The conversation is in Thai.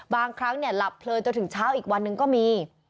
บางครั้งหลับเพลินจนถึงเช้าอีกวันหนึ่งก็มี